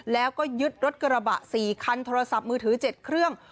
แล้วก็ยึดรถกระบะ๔คันโทรศัพท์มือถือ๗เครื่อง